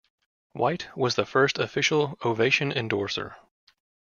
White was the first official Ovation endorser.